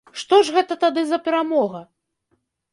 Што ж гэта тады за перамога?